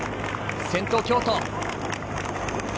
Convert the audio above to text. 先頭は京都。